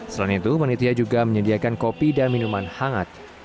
selain itu panitia juga menyediakan kopi dan minuman hangat